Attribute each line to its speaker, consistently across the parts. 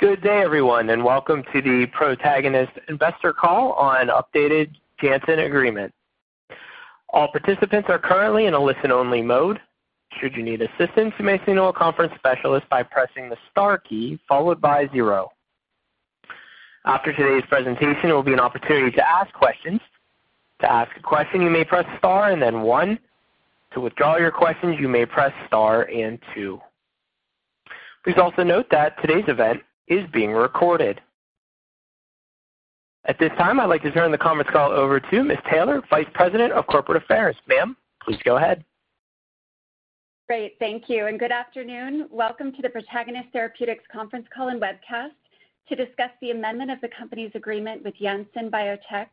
Speaker 1: Good day, everyone, and welcome to the Protagonist Investor Call on Updated Janssen Agreement. All participants are currently in a listen-only mode. Should you need assistance, you may signal a conference specialist by pressing the star key followed by zero. After today's presentation, there will be an opportunity to ask questions. To ask a question, you may press star and then one. To withdraw your questions, you may press star and two. Please also note that today's event is being recorded. At this time, I'd like to turn the conference call over to Jami Taylor, Vice President of Corporate Affairs. Ma'am, please go ahead.
Speaker 2: Great. Thank you, and good afternoon. Welcome to the Protagonist Therapeutics conference call and webcast to discuss the amendment of the company's agreement with Janssen Biotech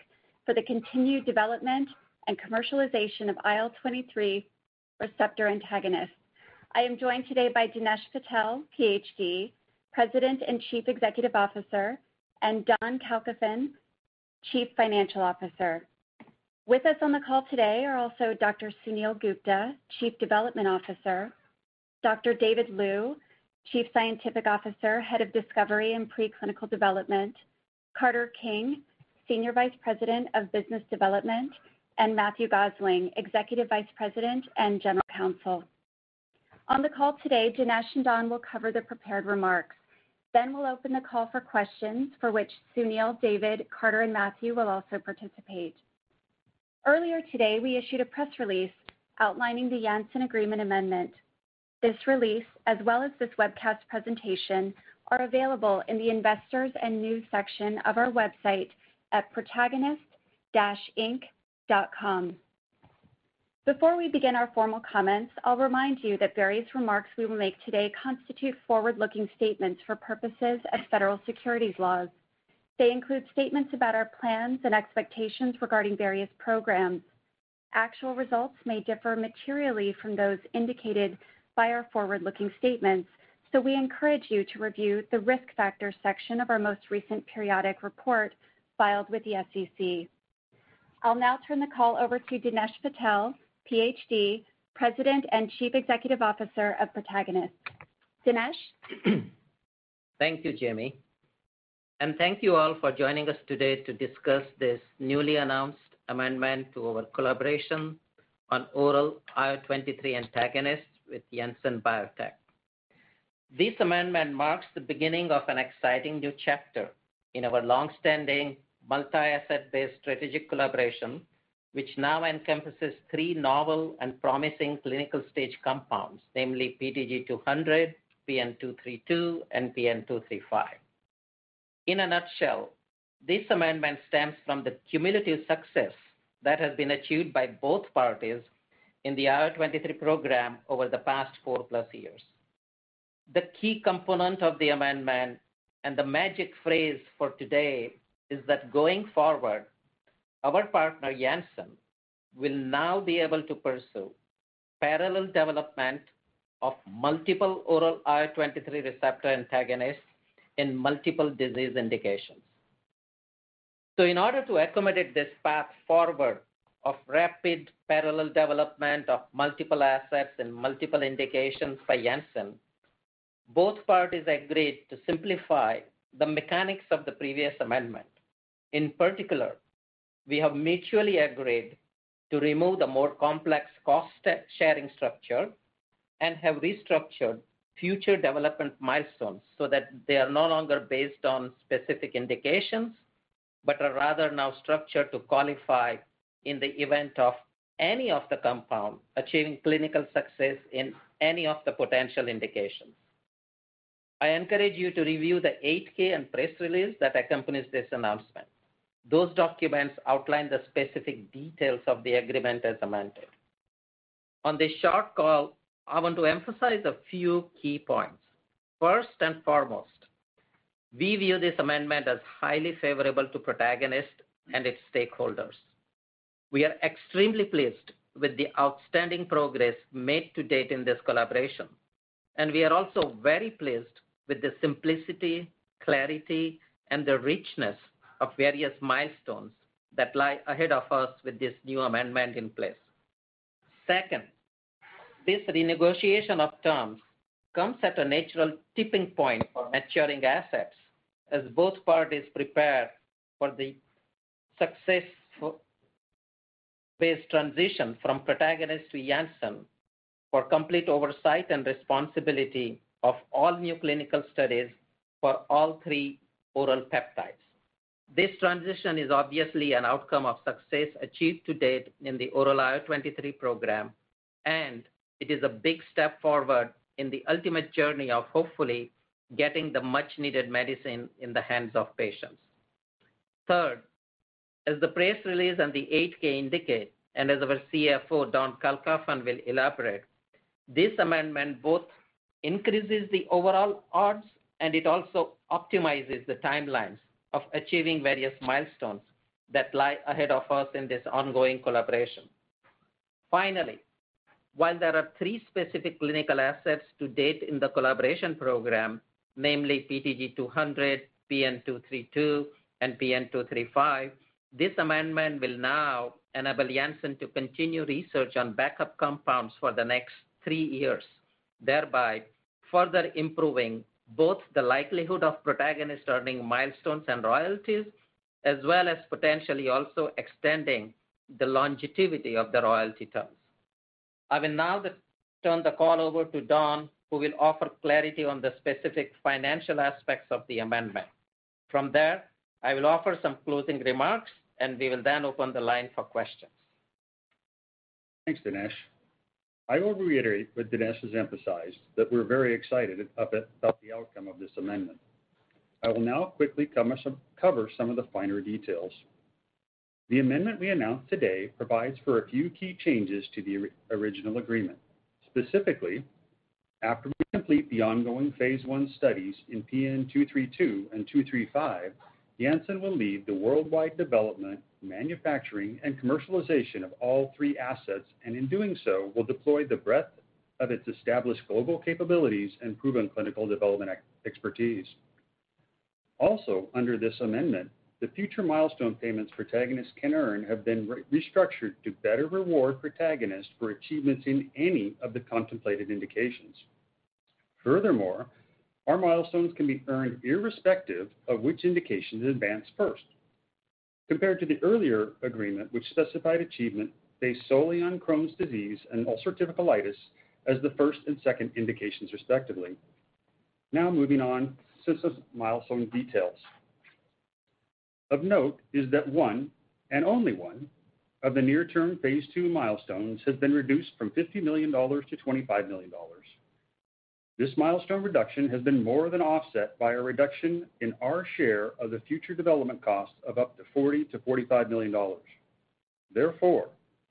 Speaker 2: for the continued development and commercialization of IL-23 receptor antagonist. I am joined today by Dinesh Patel, PhD, President and Chief Executive Officer, and Don Kalkofen, Chief Financial Officer. With us on the call today are also Dr. Suneel Gupta, Chief Development Officer; Dr. David Liu, Chief Scientific Officer, Head of Discovery and Preclinical Development; Carter King, Senior Vice President of Business Development; and Matthew Gosling, Executive Vice President and General Counsel. On the call today, Dinesh and Don will cover the prepared remarks. We'll open the call for questions for which Suneel, David, Carter, and Matthew will also participate. Earlier today, we issued a press release outlining the Janssen agreement amendment. This release, as well as this webcast presentation, are available in the investors and news section of our website at protagonist-inc.com. Before we begin our formal comments, I'll remind you that various remarks we will make today constitute forward-looking statements for purposes of federal securities laws. They include statements about our plans and expectations regarding various programs. Actual results may differ materially from those indicated by our forward-looking statements, so we encourage you to review the risk factors section of our most recent periodic report filed with the SEC. I'll now turn the call over to Dinesh Patel, PhD, President and Chief Executive Officer of Protagonist. Dinesh?
Speaker 3: Thank you, Jami. Thank you all for joining us today to discuss this newly announced amendment to our collaboration on oral IL-23 antagonists with Janssen Biotech. This amendment marks the beginning of an exciting new chapter in our long-standing multi-asset-based strategic collaboration, which now encompasses three novel and promising clinical-stage compounds, namely PTG-200, PN-232, and PN-235. In a nutshell, this amendment stems from the cumulative success that has been achieved by both parties in the IL-23 program over the past 4+ years. The key component of the amendment and the magic phrase for today is that going forward, our partner, Janssen, will now be able to pursue parallel development of multiple oral IL-23 receptor antagonists in multiple disease indications. In order to accommodate this path forward of rapid parallel development of multiple assets and multiple indications by Janssen, both parties agreed to simplify the mechanics of the previous amendment. In particular, we have mutually agreed to remove the more complex cost sharing structure and have restructured future development milestones so that they are no longer based on specific indications, but are rather now structured to qualify in the event of any of the compound achieving clinical success in any of the potential indications. I encourage you to review the 8-K and press release that accompanies this announcement. Those documents outline the specific details of the agreement as amended. On this short call, I want to emphasize a few key points. First and foremost, we view this amendment as highly favorable to Protagonist and its stakeholders. We are extremely pleased with the outstanding progress made to date in this collaboration. We are also very pleased with the simplicity, clarity, and the richness of various milestones that lie ahead of us with this new amendment in place. Second, this renegotiation of terms comes at a natural tipping point for maturing assets as both parties prepare for the success-based transition from Protagonist to Janssen for complete oversight and responsibility of all new clinical studies for all three oral peptides. This transition is obviously an outcome of success achieved to date in the oral IL-23 program. It is a big step forward in the ultimate journey of hopefully getting the much-needed medicine in the hands of patients. Third, as the press release and the 8-K indicate, and as our CFO, Don Kalkofen, will elaborate, this amendment both increases the overall odds and it also optimizes the timelines of achieving various milestones that lie ahead of us in this ongoing collaboration. Finally, while there are three specific clinical assets to date in the collaboration program, namely PTG-200, PN-232, and PN-235, this amendment will now enable Janssen to continue research on backup compounds for the next three years. Thereby further improving both the likelihood of Protagonist earning milestones and royalties, as well as potentially also extending the longevity of the royalty terms. I will now turn the call over to Don, who will offer clarity on the specific financial aspects of the amendment. From there, I will offer some closing remarks, and we will then open the line for questions.
Speaker 4: Thanks, Dinesh. I will reiterate what Dinesh has emphasized, that we're very excited about the outcome of this amendment. I will now quickly cover some of the finer details. The amendment we announced today provides for a few key changes to the original agreement. Specifically, after we complete the ongoing phase I studies in PN-232 and 235, Janssen will lead the worldwide development, manufacturing, and commercialization of all three assets, and in doing so, will deploy the breadth of its established global capabilities and proven clinical development expertise. Under this amendment, the future milestone payments Protagonist can earn have been restructured to better reward Protagonist for achievements in any of the contemplated indications. Our milestones can be earned irrespective of which indications advance first, compared to the earlier agreement which specified achievement based solely on Crohn's disease and ulcerative colitis as the first and second indications respectively. Moving on to some milestone details. Of note is that one, and only one, of the near-term phase II milestones has been reduced from $50 million to $25 million. This milestone reduction has been more than offset by a reduction in our share of the future development cost of up to $40 million-$45 million.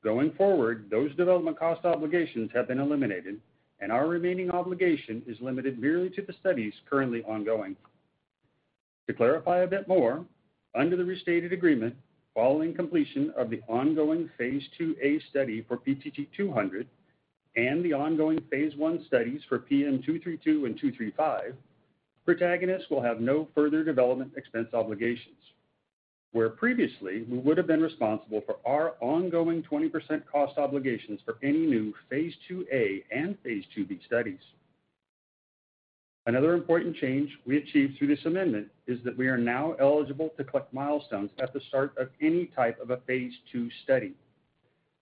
Speaker 4: Going forward, those development cost obligations have been eliminated, and our remaining obligation is limited merely to the studies currently ongoing. To clarify a bit more, under the restated agreement, following completion of the ongoing phase IIa study for PTG-200 and the ongoing phase I studies for PN-232 and PN-235, Protagonist will have no further development expense obligations. Where previously, we would have been responsible for our ongoing 20% cost obligations for any new phase IIa and phase IIb studies. Another important change we achieved through this amendment is that we are now eligible to collect milestones at the start of any type of a phase II study,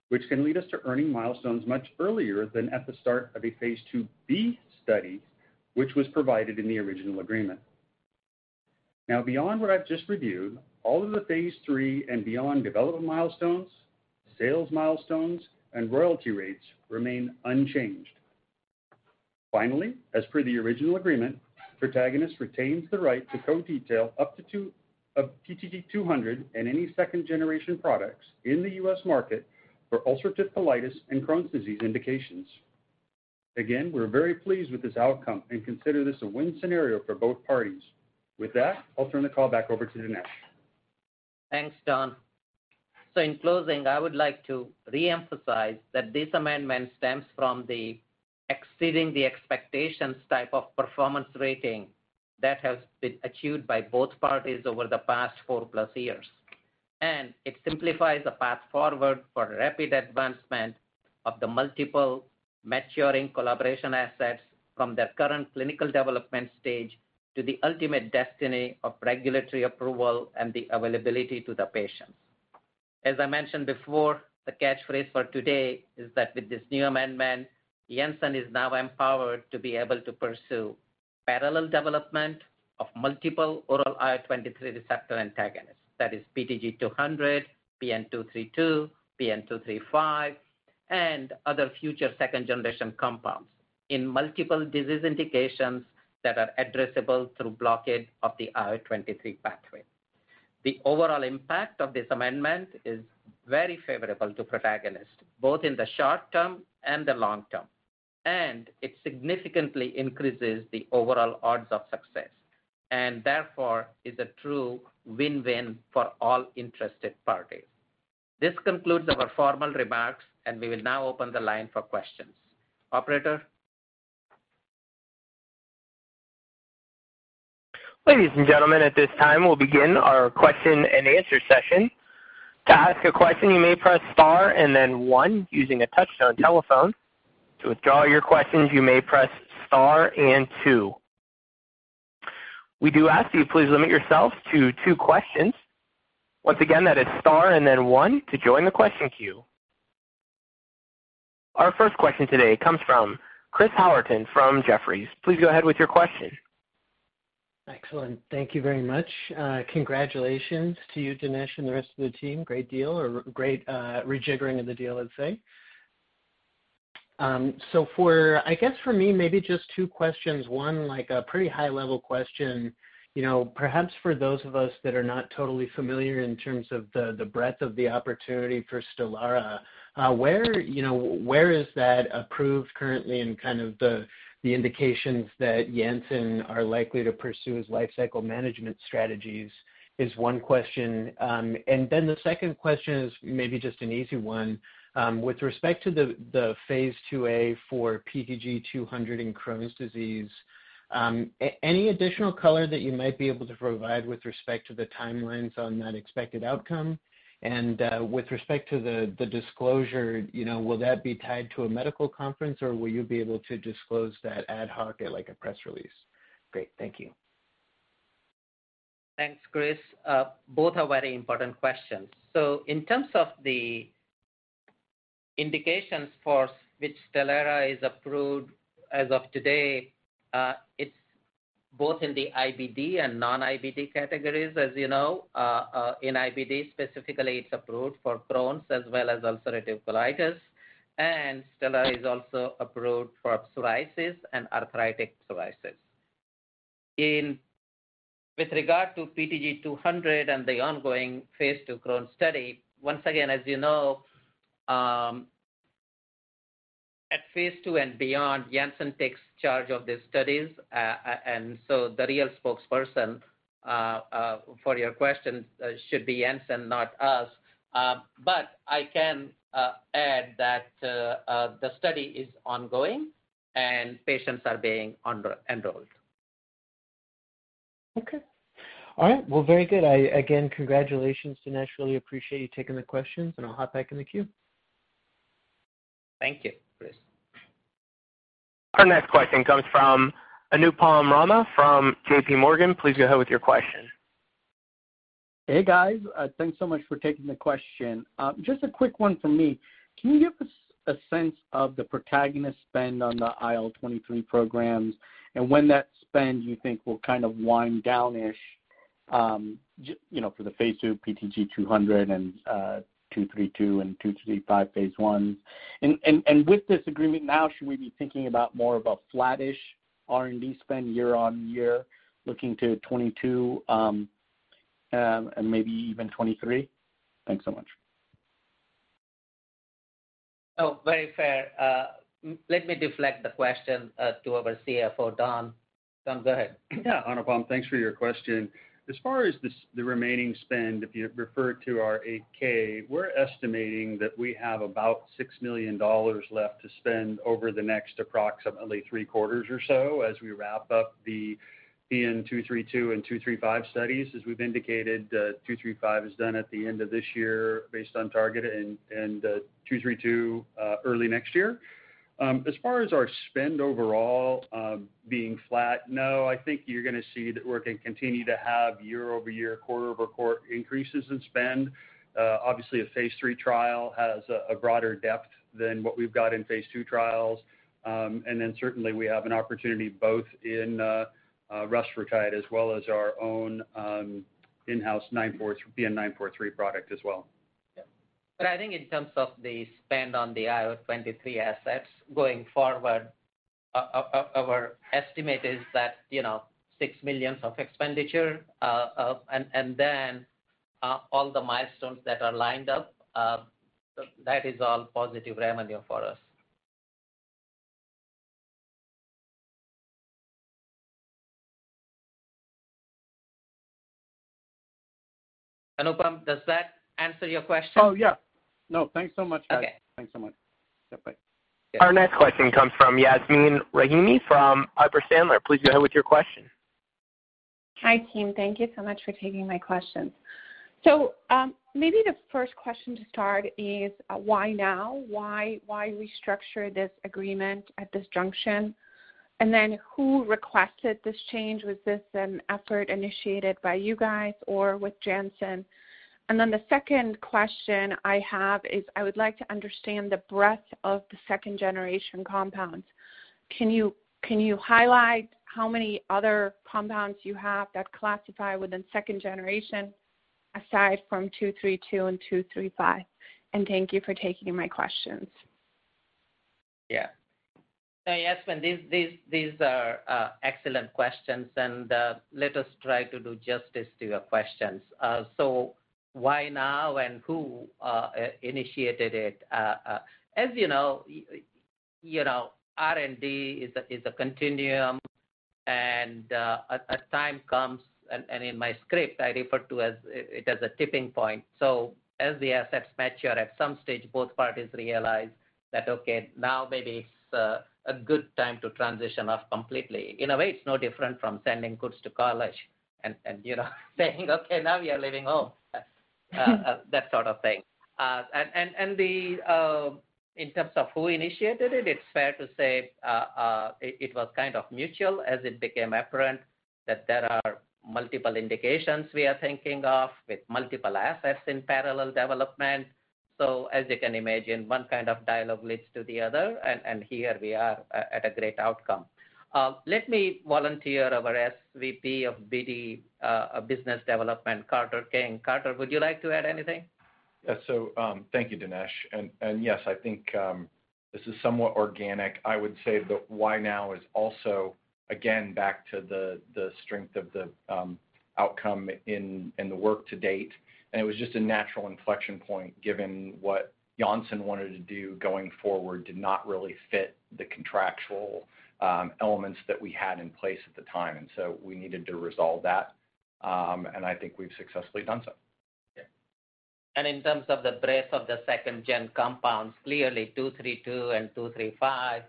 Speaker 4: which can lead us to earning milestones much earlier than at the start of a phase IIb study, which was provided in the original agreement. Beyond what I've just reviewed, all of the phase III and beyond development milestones, sales milestones, and royalty rates remain unchanged. Finally, as per the original agreement, Protagonist retains the right to co-detail up to two of PTG-200 and any second generation products in the U.S. market for ulcerative colitis and Crohn's disease indications. Again, we're very pleased with this outcome and consider this a win scenario for both parties. With that, I'll turn the call back over to Dinesh.
Speaker 3: Thanks, Don. In closing, I would like to reemphasize that this amendment stems from the exceeding the expectations type of performance rating that has been achieved by both parties over the past 4+ years. It simplifies the path forward for rapid advancement of the multiple maturing collaboration assets from their current clinical development stage to the ultimate destiny of regulatory approval and the availability to the patients. As I mentioned before, the catchphrase for today is that with this new amendment, Janssen is now empowered to be able to pursue parallel development of multiple oral IL-23 receptor antagonists. That is PTG-200, PN-232, PN-235, and other future second-generation compounds in multiple disease indications that are addressable through blockage of the IL-23 pathway. The overall impact of this amendment is very favorable to Protagonist, both in the short term and the long term. It significantly increases the overall odds of success, and therefore, is a true win-win for all interested parties. This concludes our formal remarks. We will now open the line for questions. Operator?
Speaker 1: Ladies and gentlemen, at this time, we'll begin our question and answer session. To ask a question you may press star and then one using a touchtone telephone. To withdraw your questions you may press star then two. We do ask you please limit yourself to two questions. Once again that is star and then one to join the question queue. Our first question today comes from Chris Howerton from Jefferies. Please go ahead with your question.
Speaker 5: Excellent. Thank you very much. Congratulations to you, Dinesh, and the rest of the team. Great deal, or great rejiggering of the deal, let's say. I guess for me, maybe just two questions. One a pretty high-level question. Perhaps for those of us that are not totally familiar in terms of the breadth of the opportunity for STELARA, where is that approved currently and the indications that Janssen are likely to pursue as life cycle management strategies is one question. The second question is maybe just an easy one. With respect to the phase IIa for PTG-200 in Crohn's disease, any additional color that you might be able to provide with respect to the timelines on that expected outcome? With respect to the disclosure, will that be tied to a medical conference, or will you be able to disclose that ad hoc at a press release? Great. Thank you.
Speaker 3: Thanks, Chris. Both are very important questions. In terms of the indications for which STELARA is approved as of today, it's both in the IBD and non-IBD categories. As you know, in IBD specifically, it's approved for Crohn's as well as ulcerative colitis, and STELARA is also approved for psoriasis and psoriatic arthritis. With regard to PTG-200 and the ongoing phase II Crohn's study, once again, as you know, at phase II and beyond, Janssen takes charge of the studies. The real spokesperson for your question should be Janssen, not us. I can add that the study is ongoing and patients are being enrolled.
Speaker 5: Okay. All right. Well, very good. Again, congratulations. Dinesh, really appreciate you taking the questions and I'll hop back in the queue.
Speaker 3: Thank you, Chris.
Speaker 1: Our next question comes from Anupam Rama from JPMorgan. Please go ahead with your question.
Speaker 6: Hey, guys. Thanks so much for taking the question. Just a quick one from me. Can you give us a sense of the Protagonist spend on the IL-23 programs and when that spend you think will kind of wind down-ish, for the phase II PTG-200 and PN-232 and PN-235 phase I? With this agreement now, should we be thinking about more of a flattish R&D spend year-over-year looking to 2022, and maybe even 2023? Thanks so much.
Speaker 3: Oh, very fair. Let me deflect the question to our CFO, Don. Don, go ahead.
Speaker 4: Anupam. Thanks for your question. As far as the remaining spend, if you refer to our 8-K, we're estimating that we have about $6 million left to spend over the next approximately three quarters or so as we wrap up the PN-232 and PN-235 studies. As we've indicated, PN-235 is done at the end of this year based on target and PN-232, early next year. As far as our spend overall, being flat, no, I think you're going to see that we're going to continue to have year-over-year, quarter-over-quarter increases in spend. Obviously a phase III trial has a broader depth than what we've got in phase II trials. Certainly we have an opportunity both in rusfertide as well as our own in-house PN-943 product as well.
Speaker 3: Yeah. I think in terms of the spend on the IL-23 assets going forward, our estimate is that $6 million of expenditure, and then all the milestones that are lined up, that is all positive revenue for us. Anupam, does that answer your question?
Speaker 6: Oh, yeah. No, thanks so much, guys.
Speaker 3: Okay.
Speaker 6: Thanks so much. Yep. Bye.
Speaker 3: Yeah.
Speaker 1: Our next question comes from Yasmeen Rahimi from Piper Sandler. Please go ahead with your question.
Speaker 7: Hi, team. Thank you so much for taking my questions. Maybe the first question to start is why now? Why restructure this agreement at this junction? Who requested this change? Was this an effort initiated by you guys or with Janssen? The second question I have is I would like to understand the breadth of the second generation compounds. Can you highlight how many other compounds you have that classify within second generation aside from PN-232 and PN-235? Thank you for taking my questions.
Speaker 3: Yeah. Yasmeen, these are excellent questions and let us try to do justice to your questions. Why now and who initiated it? As you know, R&D is a continuum and a time comes, and in my script, I refer to it as a tipping point. As the assets mature, at some stage, both parties realize that, okay, now maybe it's a good time to transition off completely. In a way, it's no different from sending kids to college and saying, "Okay, now you're leaving home." That sort of thing. In terms of who initiated it's fair to say it was kind of mutual as it became apparent that there are multiple indications we are thinking of with multiple assets in parallel development. As you can imagine, one kind of dialogue leads to the other, and here we are at a great outcome. Let me volunteer our SVP of BD, Business Development, Carter King. Carter, would you like to add anything?
Speaker 8: Yeah. Thank you, Dinesh. Yes, I think this is somewhat organic. I would say the why now is also, again, back to the strength of the outcome in the work to date, and it was just a natural inflection point given what Janssen wanted to do going forward did not really fit the contractual elements that we had in place at the time, and so we needed to resolve that. I think we've successfully done so.
Speaker 3: Yeah. In terms of the breadth of the second gen compounds, clearly PN-232 and PN-235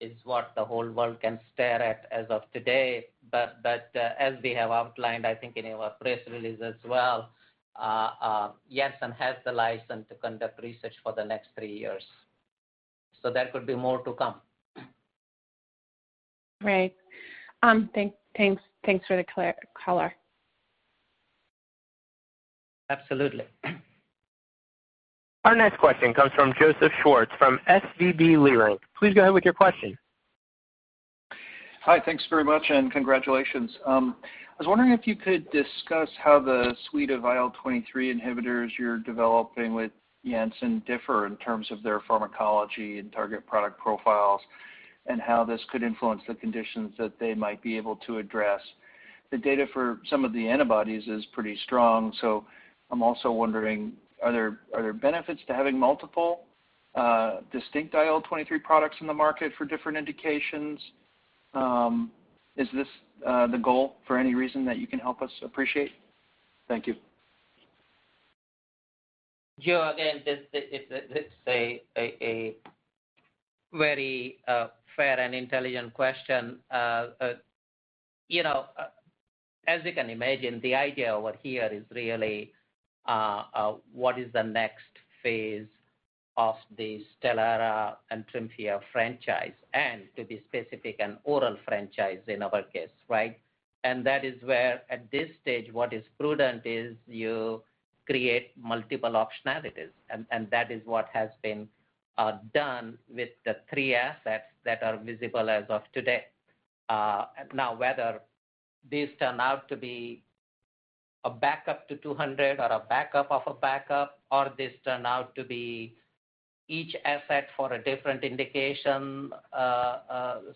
Speaker 3: is what the whole world can stare at as of today. As we have outlined, I think in our press release as well, Janssen has the license to conduct research for the next three years. There could be more to come.
Speaker 7: Right. Thanks for the clear color.
Speaker 3: Absolutely.
Speaker 1: Our next question comes from Joseph Schwartz from SVB Leerink. Please go ahead with your question.
Speaker 9: Hi. Thanks very much, and congratulations. I was wondering if you could discuss how the suite of IL-23 inhibitors you're developing with Janssen differ in terms of their pharmacology and target product profiles, and how this could influence the conditions that they might be able to address. The data for some of the antibodies is pretty strong. I'm also wondering, are there benefits to having multiple, distinct IL-23 products in the market for different indications? Is this the goal for any reason that you can help us appreciate? Thank you.
Speaker 3: Again, it's a very fair and intelligent question. As you can imagine, the idea over here is really, what is the next phase of the STELARA and TREMFYA franchise and to be specific and oral franchise in our case, right? That is where at this stage, what is prudent is you create multiple optionalities. That is what has been done with the three assets that are visible as of today. Whether these turn out to be a backup to PTG-200 or a backup of a backup, or these turn out to be each asset for a different indication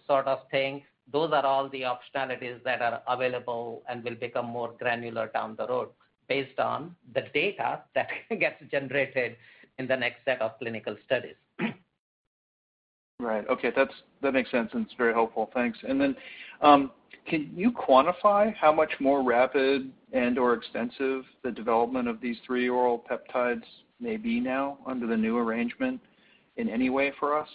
Speaker 3: sort of thing, those are all the optionalities that are available and will become more granular down the road based on the data that gets generated in the next set of clinical studies.
Speaker 9: Right. Okay. That makes sense, it's very helpful. Thanks. Can you quantify how much more rapid and/or extensive the development of these three oral peptides may be now under the new arrangement in any way for us?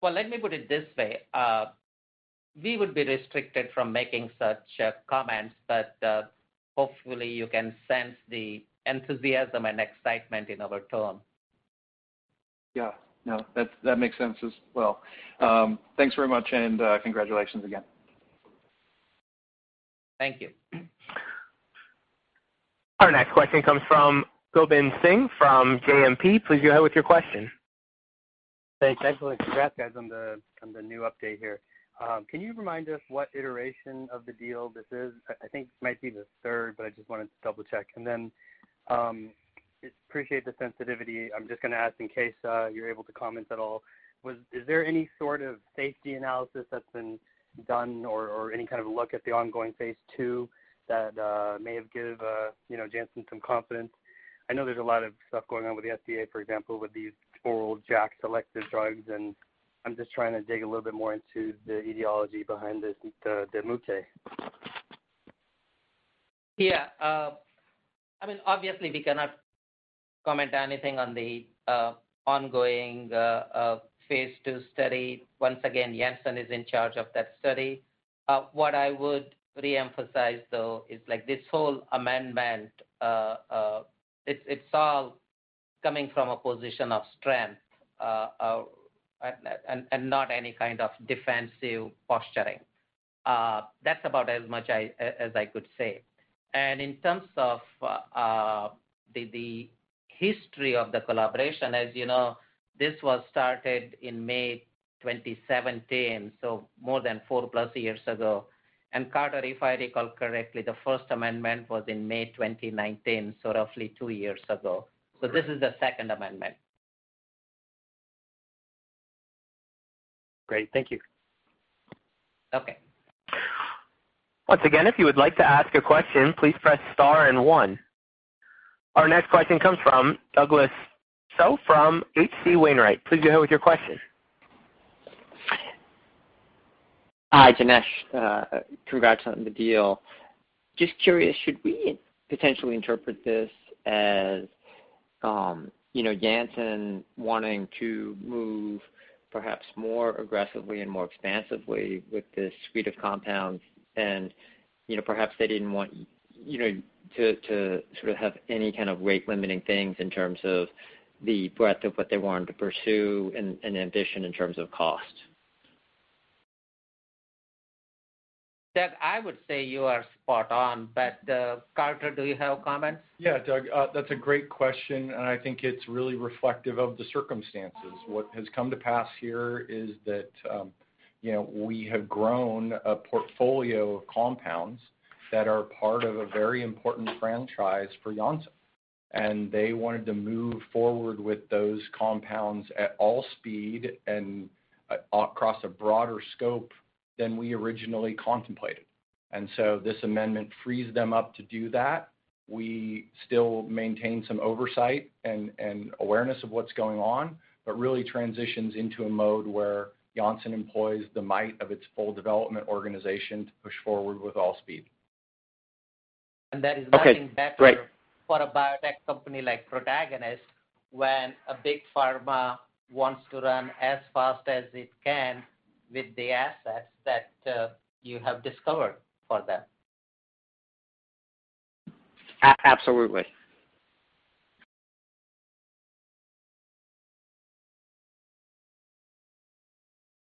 Speaker 3: Well, let me put it this way. We would be restricted from making such comments, but, hopefully, you can sense the enthusiasm and excitement in our tone.
Speaker 9: Yeah. No, that makes sense as well. Thanks very much, and congratulations again.
Speaker 3: Thank you.
Speaker 1: Our next question comes from Gobind Singh from JMP. Please go ahead with your question.
Speaker 10: Thanks. Excellent. Congrats, guys, on the new update here. Can you remind us what iteration of the deal this is? I think this might be the third, but I just wanted to double-check. Just appreciate the sensitivity. I'm just going to ask in case you're able to comment at all. Is there any sort of safety analysis that's been done or any kind of look at the ongoing phase II that may have give Janssen some confidence? I know there's a lot of stuff going on with the FDA, for example, with these oral JAK selective drugs, and I'm just trying to dig a little bit more into the ideology behind this.
Speaker 3: Yeah. Obviously, we cannot comment on anything on the ongoing phase II study. Once again, Janssen is in charge of that study. What I would reemphasize, though, is this whole amendment, it's all coming from a position of strength and not any kind of defensive posturing. That's about as much as I could say. In terms of the history of the collaboration, as you know, this was started in May 2017, so more than 4+ years ago. Carter, if I recall correctly, the first amendment was in May 2019, so roughly two years ago. This is the second amendment.
Speaker 10: Great. Thank you.
Speaker 3: Okay.
Speaker 1: Once again, if you would like to ask a question, please press star and one. Our next question comes from Douglas Tsao from H.C. Wainwright. Please go ahead with your question.
Speaker 11: Hi, Dinesh. Congrats on the deal. Just curious, should we potentially interpret this as Janssen wanting to move perhaps more aggressively and more expansively with this suite of compounds, and perhaps they didn't want to sort of have any kind of rate-limiting things in terms of the breadth of what they wanted to pursue and ambition in terms of cost?
Speaker 3: Douglas, I would say you are spot on. Carter, do you have comments?
Speaker 8: Yeah, Doug, that's a great question, and I think it's really reflective of the circumstances. What has come to pass here is that we have grown a portfolio of compounds that are part of a very important franchise for Janssen. They wanted to move forward with those compounds at all speed and across a broader scope than we originally contemplated. This amendment frees them up to do that. We still maintain some oversight and awareness of what's going on, but really transitions into a mode where Janssen employs the might of its full development organization to push forward with all speed.
Speaker 3: That is nothing.
Speaker 11: Okay. Great.
Speaker 3: Better for a biotech company like Protagonist when a big pharma wants to run as fast as it can with the assets that you have discovered for them.
Speaker 11: Absolutely.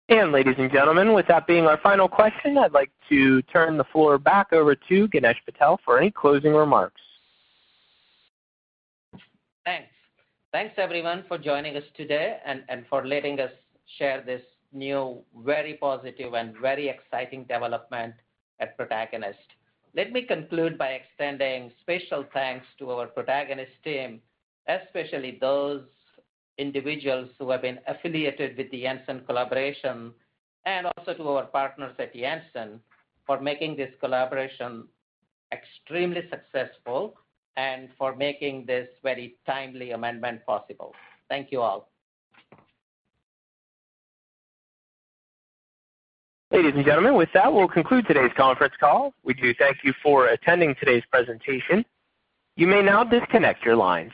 Speaker 1: Ladies and gentlemen, with that being our final question, I'd like to turn the floor back over to Dinesh Patel for any closing remarks.
Speaker 3: Thanks, everyone, for joining us today and for letting us share this new, very positive, and very exciting development at Protagonist. Let me conclude by extending special thanks to our Protagonist team, especially those individuals who have been affiliated with the Janssen collaboration, and also to our partners at Janssen for making this collaboration extremely successful and for making this very timely amendment possible. Thank you all.
Speaker 1: Ladies and gentlemen, with that, we'll conclude today's conference call. We do thank you for attending today's presentation. You may now disconnect your line.